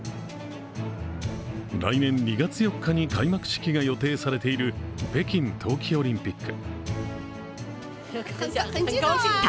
来年２月４日に開幕式が予定されている北京冬季オリンピック。